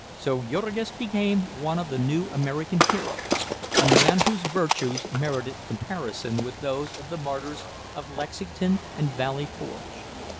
So Jurgis became one of the new "American heroes," a man whose virtues merited comparison with those of the martyrs of Lexington and Valley Forge.